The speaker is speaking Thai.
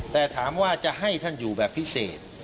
แต่ถามว่าจะให้ท่านอยู่แบบพิเศษ